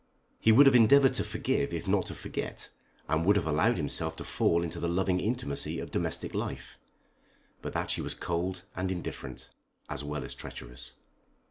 He would have endeavoured to forgive if not to forget, and would have allowed himself to fall into the loving intimacy of domestic life, but that she was cold and indifferent, as well as treacherous.